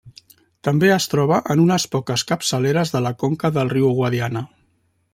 També es troba en unes poques capçaleres de la conca del riu Guadiana.